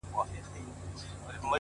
هوښیار انسان له تجربې خزانه جوړوي.!